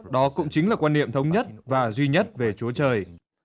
đó cũng chính là quan niệm thống nhất và duy nhất về chúa trời